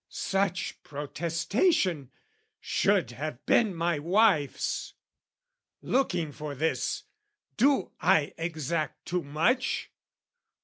Such protestation should have been my wife's. Looking for this, do I exact too much?